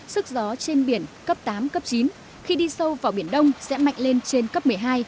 sức gió trên biển cấp tám cấp chín khi đi sâu vào biển đông sẽ mạnh lên trên cấp một mươi hai